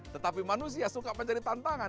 tetapi manusia suka mencari tantangan